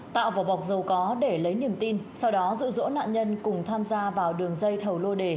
tạo vỏ bọc dầu có để lấy niềm tin sau đó dụ dỗ nạn nhân cùng tham gia vào đường dây thầu lô đề